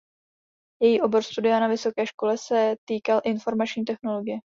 Její obor studia na vysoké škole se týkal informační technologie.